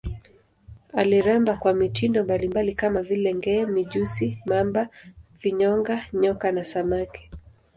Aliremba kwa mitindo mbalimbali kama vile nge, mijusi, mamba, vinyonga, nyoka na samaki.